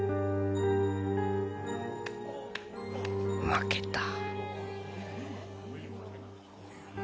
負けた。